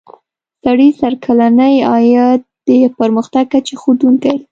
سړي سر کلنی عاید د پرمختګ کچې ښودونکی دی.